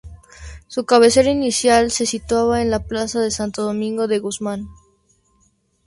Su cabecera inicial se situaba en la Plaza de Santo Domingo de Guzmán.